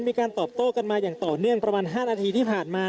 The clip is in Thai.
มีการตอบโต้กันมาอย่างต่อเนื่องประมาณ๕นาทีที่ผ่านมา